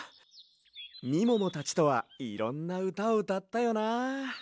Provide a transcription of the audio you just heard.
みももたちとはいろんなうたをうたったよな。